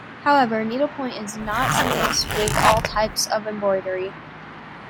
However, "needlepoint" is not synonymous with all types of embroidery.